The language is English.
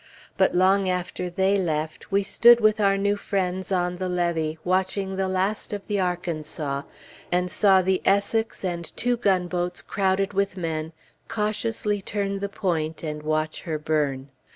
But long after they left, we stood with our new friends on the levee watching the last of the Arkansas, and saw the Essex, and two gunboats crowded with men, cautiously turn the point, and watch her burn.